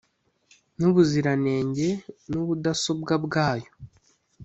n ubuziranenge n ubudasobwa bwayo